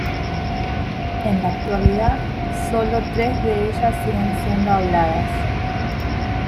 En la actualidad sólo tres de ellas siguen siendo habladas.